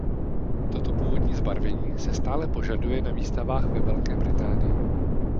Toto původní zbarvení se stále požaduje na výstavách ve Velké Británii.